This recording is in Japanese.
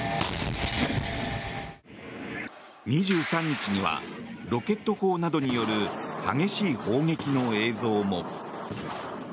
２３日にはロケット砲などによる激しい砲撃の映像も。